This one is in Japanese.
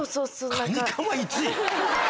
カニカマ１位？